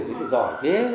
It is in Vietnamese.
thế giỏi thế